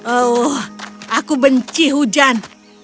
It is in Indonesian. oh aku benci hujan